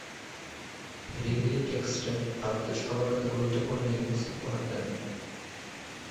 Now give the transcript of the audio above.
Headingley টেস্টে ভারতের সর্বাপেক্ষা গুরুত্বপূর্ণ ইনিংস উপহার দেন।